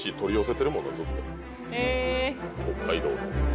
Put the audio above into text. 北海道の。